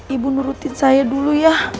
ibu nurutin saya dulu ya